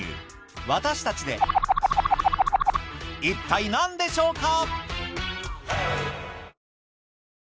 一体何でしょうか？